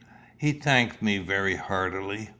He thanked me very heartily.